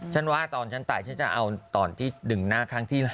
ฉันว่าตอนฉันตายฉันจะเอาตอนที่หนึ่งหน้าครั้งที่๕เนี่ย